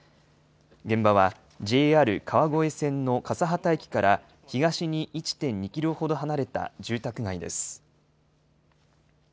現場はＪＲ川越線の笠幡駅から東に１．２キロほど離れた住宅街です。